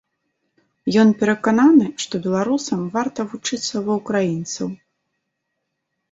Ён перакананы, што беларусам варта вучыцца ва ўкраінцаў.